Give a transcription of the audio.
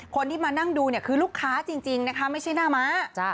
คนที่มานั่งดูเนี่ยคือลูกค้าจริงนะคะไม่ใช่หน้าม้า